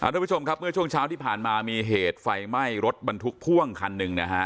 ทุกผู้ชมครับเมื่อช่วงเช้าที่ผ่านมามีเหตุไฟไหม้รถบรรทุกพ่วงคันหนึ่งนะฮะ